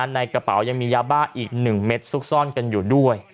ในกระเป๋ายังมียาบ้าอีก๑เม็ดซุกซ่อนกันอยู่ด้วย